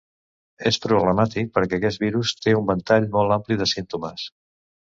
És problemàtic perquè aquest virus té un ventall molt ampli de símptomes.